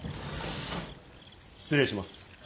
失礼します。